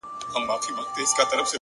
زور او زير مي ستا په لاس کي وليدی ـ